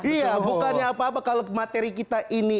iya bukannya apa apa kalau materi kita ini